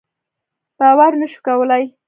باور نه شو کولای.